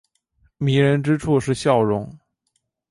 迷人之处是笑容。